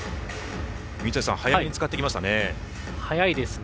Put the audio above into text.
水谷さん、早めに使ってきましたね。